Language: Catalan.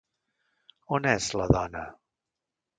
On és la dona?